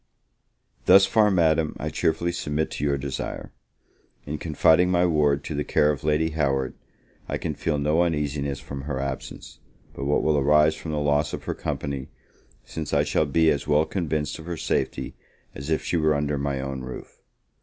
Thus far, Madam, I cheerfully submit to your desire. In confiding my ward to the care of Lady Howard, I can feel no uneasiness from her absence, but what will arise from the loss of her company, since I shall be as well convinced of her safety as if she were under my own roof.